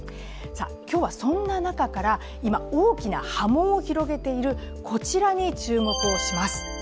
今日はそんな中から、今大きな波紋を広げているこちらに注目をします。